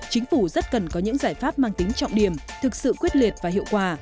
chính phủ rất cần có những giải pháp mang tính trọng điểm thực sự quyết liệt và hiệu quả